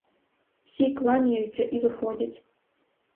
Всі кланяються і виходять.